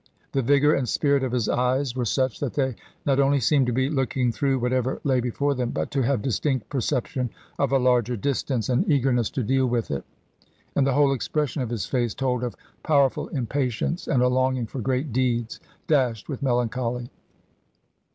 The vigour and spirit of his eyes were such that they not only seemed to be looking through whatever lay before them, but to have distinct perception of a larger distance, and eagerness to deal with it. And the whole expression of his face told of powerful impatience, and a longing for great deeds, dashed with melancholy.